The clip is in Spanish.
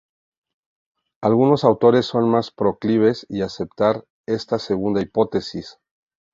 Algunos autores son más proclives a aceptar esta segunda hipótesis.